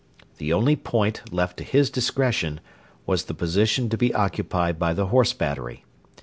The only point left to his discretion was the position to be occupied by the Horse battery.